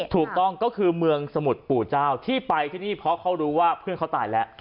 ถูกต้องก็คือเมืองสมุทรปู่เจ้าที่ไปที่นี่เพราะเขารู้ว่าเพื่อนเขาตายแล้ว